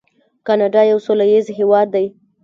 کاناډا یو سوله ییز هیواد دی.